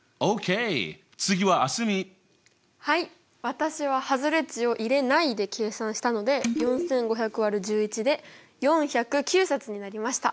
私は外れ値を入れないで計算したので４５００÷１１で４０９冊になりました。